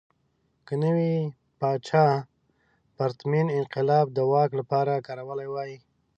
که نوي پاچا پرتمین انقلاب د واک لپاره کارولی وای.